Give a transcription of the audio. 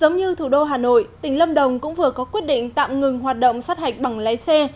giống như thủ đô hà nội tỉnh lâm đồng cũng vừa có quyết định tạm ngừng hoạt động sát hạch bằng lái xe